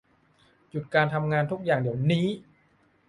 หยุดการทำงานทุกอย่าง เดี๋ยวนี้